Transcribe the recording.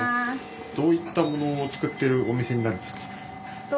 どういったものを作っているお店になってるんですか？